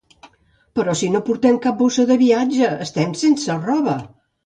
Però si no portem cap bossa de viatge, estem sense roba!